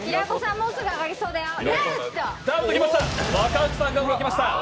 もうすぐあがりそうだよ、ダウト。